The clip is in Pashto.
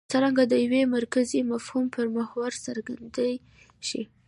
څرنګه د یوه مرکزي مفهوم پر محور څرخېدای شي.